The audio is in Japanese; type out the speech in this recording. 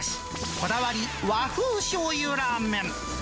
こだわり和風しょうゆラーメン。